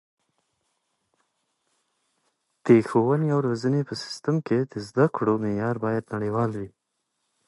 د ښوونې او روزنې په سیستم کې د زده کړو معیار باید نړیوال وي.